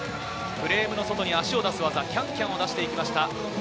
フレームの外に足を出す技、キャンキャンを出していきました。